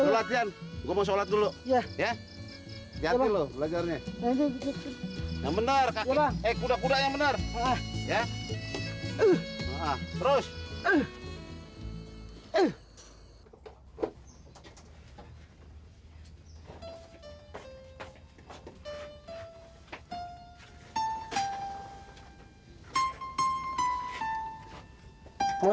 latihan gua mau sholat dulu ya ya ya lo belajarnya yang benar kuda kuda yang benar ya terus eh eh